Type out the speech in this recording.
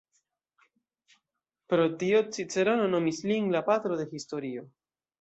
Pro tio Cicerono nomis lin "la patro de historio".